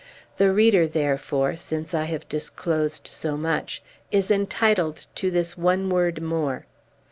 The reader, therefore, since I have disclosed so much, is entitled to this one word more.